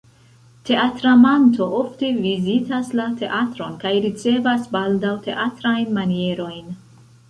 Teatramanto ofte vizitas la teatron kaj ricevas baldaŭ teatrajn manierojn.